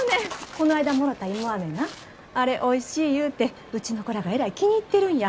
こないだもろた芋アメなあれおいしい言うてうちの子らがえらい気に入ってるんや。